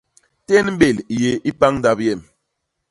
Tén bél i yé i pañ ndap yem.